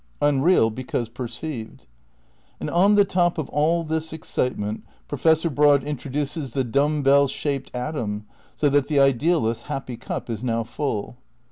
Unreal, because perceived. And on the top of all this excitement Professor Broad introduces the dumb bell shaped atom, so that the ideal ist 's happy cup is now full.